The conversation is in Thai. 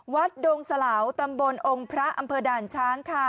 ดงสลาวตำบลองค์พระอำเภอด่านช้างค่ะ